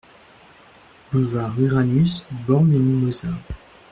Boulevard Uranus, Bormes-les-Mimosas